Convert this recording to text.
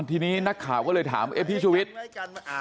ทีนี้นักข่าวก็เลยถามพี่ชูวิทย์